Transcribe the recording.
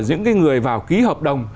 những cái người vào ký hợp đồng